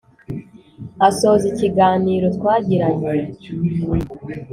Asoza ikiganiro twagiranye,